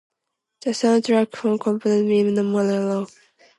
The sound track was composed by Ennio Morricone.